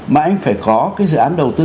mà anh phải có cái dự án đầu tư